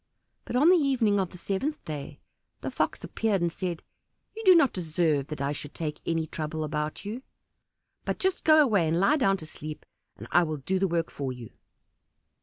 But on the evening of the seventh day the Fox appeared and said, "You do not deserve that I should take any trouble about you; but just go away and lie down to sleep, and I will do the work for you."